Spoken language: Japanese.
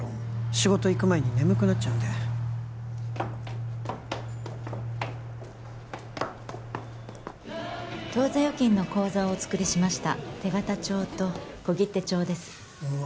仕事行く前に眠くなっちゃうんで当座預金の口座をお作りしました手形帳と小切手帳ですうわ